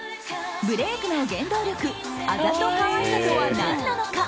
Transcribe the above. ブレークの原動力あざとカワイさとは何なのか。